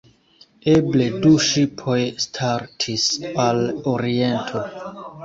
Eble du ŝipoj startis al Oriento.